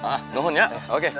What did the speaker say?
nungguin ya oke